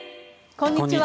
こんにちは。